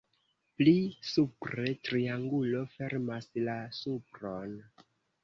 Pli supre triangulo fermas la supron.